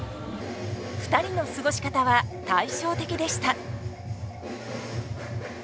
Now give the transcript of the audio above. ２人の過ごし方は対照的でした。